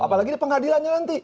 apalagi pengadilannya nanti